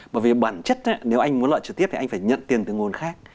bởi vì bản chất nếu anh muốn lợi trực tiếp thì anh phải nhận tiền từ nguồn khác